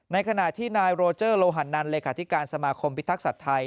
ในขณะที่นายโรเจอร์โลหันนันเลขาธิการสมาคมพิทักษัตริย์ไทย